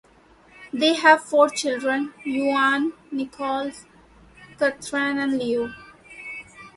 They have four children: Euan, Nicholas, Kathryn, and Leo.